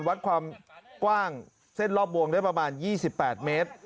วัดความกว้างเส้นรอบวงได้ประมาณ๒๘เมตร